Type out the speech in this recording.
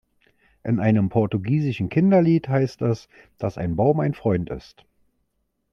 In einem portugiesischen Kinderlied heißt es, dass ein Baum ein Freund ist.